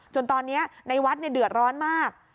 จนตอนนี้ในวัดเดือดร้อนมาก